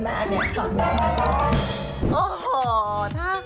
เออเพิ่งไปช่วยก่อนแม่แม่อันนี้สอนได้ไหมคะว่ามัน